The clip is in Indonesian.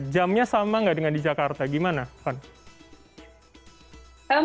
jamnya sama nggak dengan di jakarta gimana van